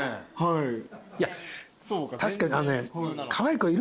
いや確かにあのね。